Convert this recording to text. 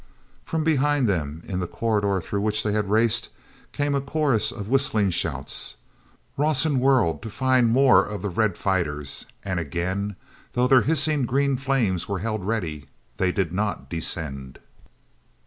From behind them, in the corridor through which they had raced, came a chorus of whistling shouts. Rawson whirled to find more of the red fighters, and again, though their hissing green flames were held ready, they did not descend.